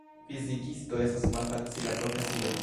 Fizikisto estas malfacila profesio.